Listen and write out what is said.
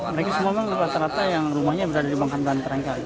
mereka semua kan rata rata yang rumahnya berada di bangkang bangkang terangkai